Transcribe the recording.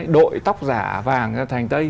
đội tóc giả vàng thành tây